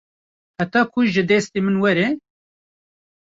heta ku ji destê min were